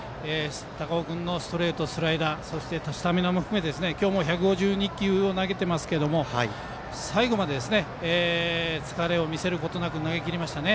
高尾君のストレート、スライダーそしてスタミナも含めて今日も１５２球を投げていますが最後まで疲れを見せることなく投げきりましたね。